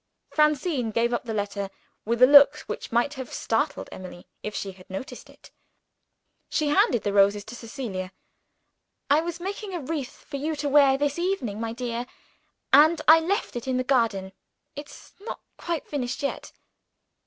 Francine gave up the letter, with a look which might have startled Emily if she had noticed it. She handed the roses to Cecilia. "I was making a wreath for you to wear this evening, my dear and I left it in the garden. It's not quite finished yet."